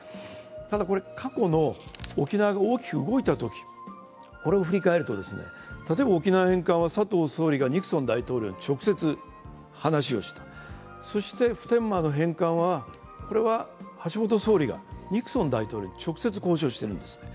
ただ過去の沖縄が大きく動いたときを振り返ると例えば沖縄返還は佐藤総理がニクソン大統領に直接話をした、そして普天間の返還は橋本総理がニクソン大統領に直接交渉しているんです。